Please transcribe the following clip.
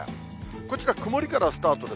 こちら曇りからスタートです。